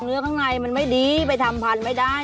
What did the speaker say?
ข้างในมันไม่ดีไปทำพันธุ์ไม่ได้